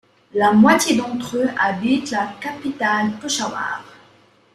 La moitié d'entre-eux habite la capitale Peshawar.